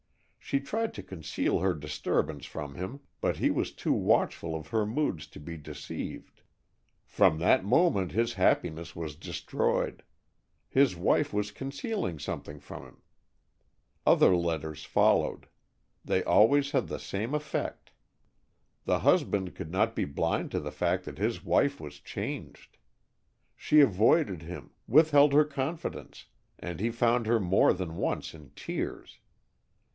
She tried to conceal her disturbance from him, but he was too watchful of her moods to be deceived. From that moment his happiness was destroyed. His wife was concealing something from him. Other letters followed. They always had the same effect. The husband could not be blind to the fact that his wife was changed. She avoided him, withheld her confidence, and he found her more than once in tears.